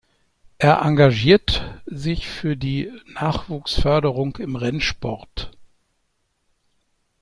Er engagiert sich für die Nachwuchsförderung im Rennsport.